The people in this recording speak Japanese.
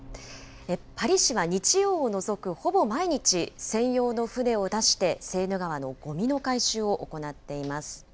パリ市は日曜を除くほぼ毎日、専用の船を出して、セーヌ川のごみの回収を行っています。